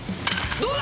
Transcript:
どうだ！